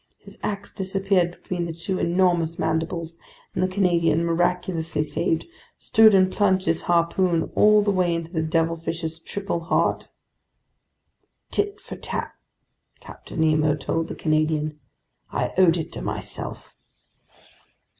His ax disappeared between the two enormous mandibles, and the Canadian, miraculously saved, stood and plunged his harpoon all the way into the devilfish's triple heart. "Tit for tat," Captain Nemo told the Canadian. "I owed it to myself!"